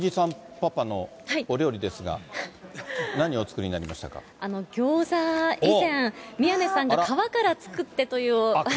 パパのお料理ですが、ギョーザ、以前、宮根さんが皮から作ってってという。